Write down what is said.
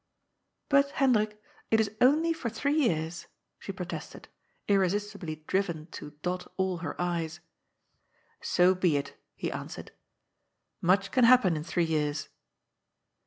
^^ But, Hendrik, it is only for three years," she protested, irresistibly driven to " dot all her i's." ^^ So be it," he answered. ^^ Much can happen in three years."